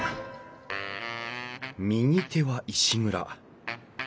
右手は石蔵。